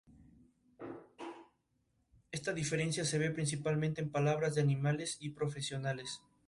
Esta diferencia se ve principalmente en palabras de animales y profesiones.